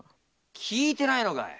聞いてないのかい？